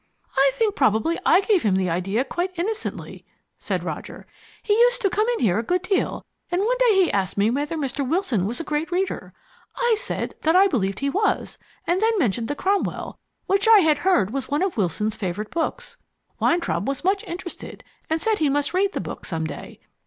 "I think probably I gave him the idea quite innocently," said Roger. "He used to come in here a good deal and one day he asked me whether Mr. Wilson was a great reader. I said that I believed he was, and then mentioned the Cromwell, which I had heard was one of Wilson's favourite books. Weintraub was much interested and said he must read the book some day.